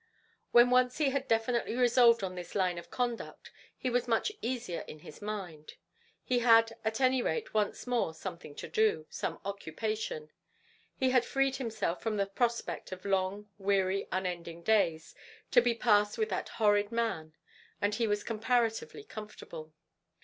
When once he had definitely resolved on this line of conduct he was much easier in his mind; he had at any rate once more something to do some occupation. He had freed himself from the prospect of long, weary, unending days, to be passed with that horrid man; and he was comparatively comfortable.